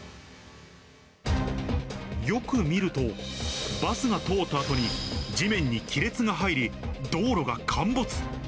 よく見ると、バスが通ったあとに、地面に亀裂が入り、道路が陥没。